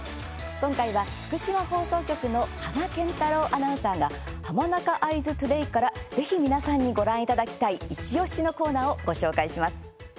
今回は、福島放送局の芳賀健太郎アナウンサーが「はまなかあいづＴＯＤＡＹ」から、ぜひ皆さんにご覧いただきたい、イチおしのコーナーをご紹介します。